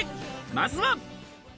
まずは。